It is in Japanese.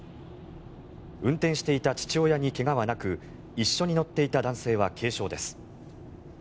運転していた父親に怪我はなく一緒に乗っていた男性は軽傷です。